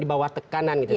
di bawah tekanan gitu